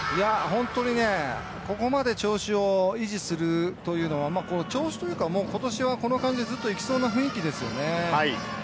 本当にここまで調子を維持するというのは、調子というか、今年はこの感じでずっと行きそうな雰囲気ですよね。